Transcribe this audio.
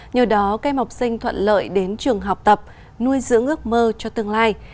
nhờ đó các em học sinh thuận lợi đến trường học tập nuôi dưỡng ước mơ cho tương lai